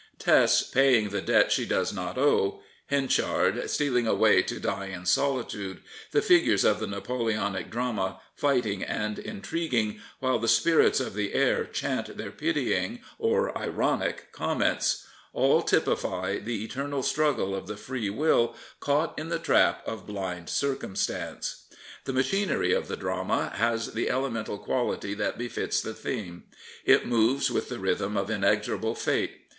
Tess paying the debt she does not owe, Henchard stealing away to die in solitude, the figures of the Napoleonic drama fighting and intriguing while the spirits of the air chant their pitying or ironic comments — ^all typify the eternal J09 Prophets, Priests, and Kings Struggle of the free will caught in the trap of blind circumstance. The machinery of the drama has the elemental quality that befits the theme, jit moves with the rhythm of inexorable fate.